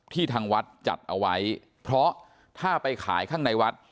ทางวัดจัดเอาไว้เพราะถ้าไปขายข้างในวัด